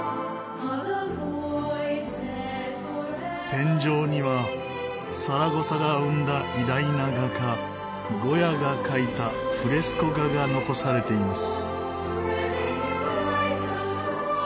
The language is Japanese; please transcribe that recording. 天井にはサラゴサが生んだ偉大な画家ゴヤが描いたフレスコ画が残されています。